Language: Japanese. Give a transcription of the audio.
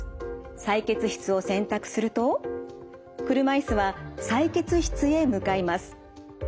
採血室を選択すると車いすは採血室へ向かいます。